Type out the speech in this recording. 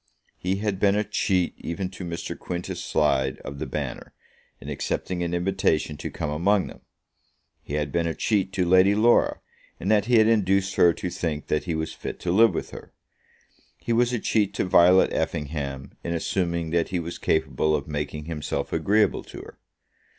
He had been a cheat even to Mr. Quintus Slide of the Banner, in accepting an invitation to come among them. He had been a cheat to Lady Laura, in that he had induced her to think that he was fit to live with her. He was a cheat to Violet Effingham, in assuming that he was capable of making himself agreeable to her.